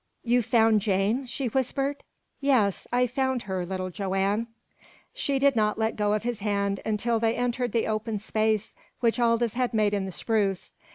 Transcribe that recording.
"You found Jane?" she whispered. "Yes, I found her, little Joanne." She did not let go of his hand until they entered the open space which Aldous had made in the spruce.